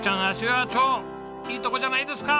芦川町いいとこじゃないですか！